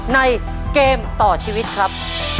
ในเกมต่อชีวิตครับ